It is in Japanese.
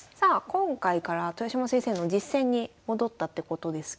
今回から豊島先生の実戦に戻ったってことですけれども。